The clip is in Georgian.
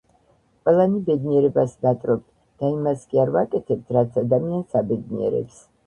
ყველანი ბედნიერებას ვნატრობთ და იმას კი არ ვაკეთებთ, რაც ადამიანს აბედნიერებს.